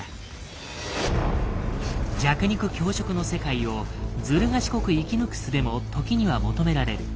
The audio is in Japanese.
弱肉強食の世界をずる賢く生き抜く術も時には求められる。